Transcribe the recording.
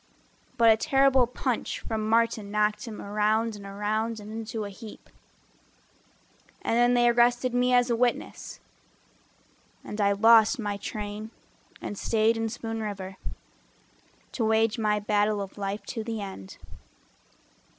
But a terrible punch from Martin knocked him Around and around and into a heap. And then they arrested me as a witness, And I lost my train and staid in Spoon River To wage my battle of life to the end.